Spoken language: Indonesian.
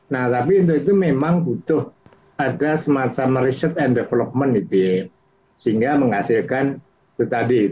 nah tapi itu memang butuh ada semacam research and development sehingga menghasilkan itu tadi